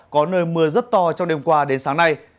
có nơi mưa rất to trong đêm qua đến sáng nay